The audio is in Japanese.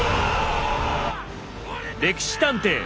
「歴史探偵」。